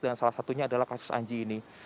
dan salah satunya adalah kasus anji ini